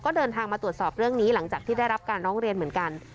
ก็เดินทางมาตรวจสอบเรื่องนี้หลังจากที่ได้รับการร้องเรียนเหมือนกัน